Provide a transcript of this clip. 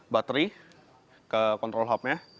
bateri ke control hubnya